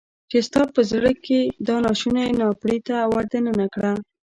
چې ستا په زړه کې يې دا ناشونی ناپړیته ور دننه کړه.